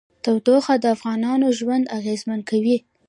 تودوخه د افغانانو ژوند اغېزمن کوي.